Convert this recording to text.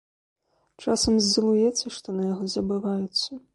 Часам злуецца, што на яго забываюцца.